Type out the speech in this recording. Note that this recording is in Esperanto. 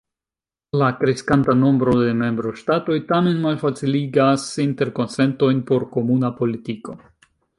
La kreskanta nombro de membroŝtatoj tamen malfaciligas interkonsentojn por komuna politiko.